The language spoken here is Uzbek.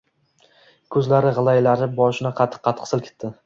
Ko‘zlari g‘ilaylanib, boshini qattiq-qattiq silkitdi